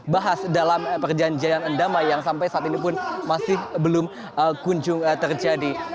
bahas dalam perjanjian endama yang sampai saat ini pun masih belum kunjung terjadi